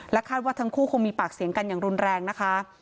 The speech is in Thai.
คาดว่าทั้งคู่คงมีปากเสียงกันอย่างรุนแรงนะคะ